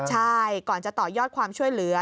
ใช่ก่อนจะต่อยอดความช่วยเหลือ